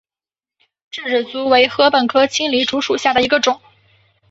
稚子竹为禾本科青篱竹属下的一个种。